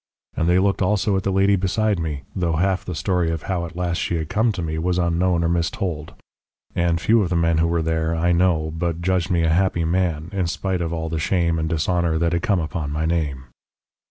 And they looked also at the lady beside me, though half the story of how at last she had come to me was unknown or mistold. And few of the men who were there, I know, but judged me a happy man, in spite of all the shame and dishonour that had come upon my name.